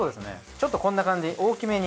ちょっとこんな感じ大きめに。